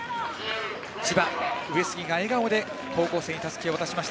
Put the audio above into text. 千葉、上杉が笑顔で高校生にたすきを渡しました。